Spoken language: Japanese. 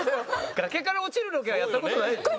崖から落ちるロケはやった事ないでしょ？